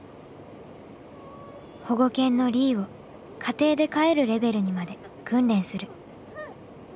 保護犬のリィを家庭で飼えるレベルにまで訓練する。